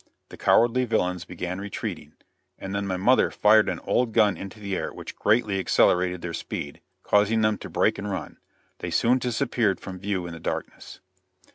The cowardly villains began retreating, and then my mother fired an old gun into the air which greatly accelerated their speed, causing them to break and run. They soon disappeared from view in the darkness.